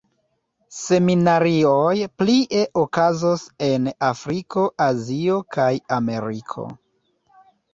Seminarioj plie okazos en Afriko, Azio kaj Ameriko.